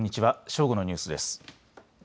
正午のニュースです。